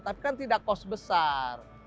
tapi kan tidak kos besar